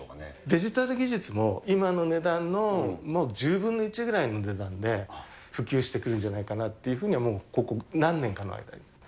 デジタル技術も、今の値段の１０分の１ぐらいの値段で普及してくるんじゃないかなっていうふうには、ここ何年かの間にですね。